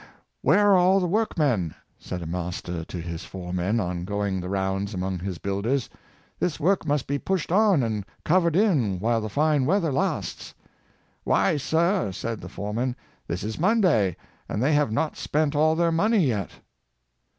" Where are all the workmen? " said a master to his foremen, on going the rounds among his builders :" this work must be pushed on, and covered in while the fine weather lasts." " Why, sir," said the foreman, " this is Monday, and they have not spent all their money yet."